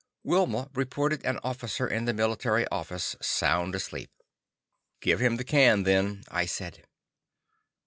Wilma reported an officer in the military office sound asleep. "Give him the can, then," I said.